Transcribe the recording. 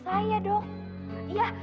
saya suka pak